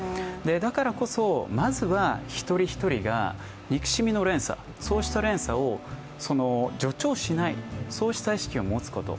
だからこそ、まずは１人１人が憎しみの連鎖、そうした連鎖を助長しない、そうした意識を持つこと。